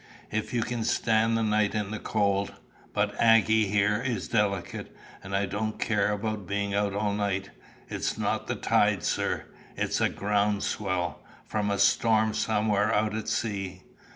"If you can stand the night in the cold. But Aggy here is delicate; and I don't care about being out all night. It's not the tide, sir; it's a ground swell from a storm somewhere out at sea.